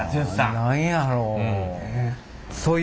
何やろう。